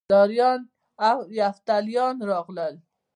وروسته کیداریان او یفتلیان راغلل